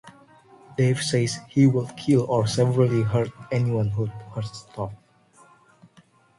Dave says he would kill or severely hurt anyone who hurts Toph.